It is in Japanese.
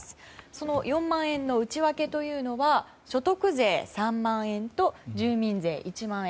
その４万円の内訳というのは所得税３万円と住民税１万円。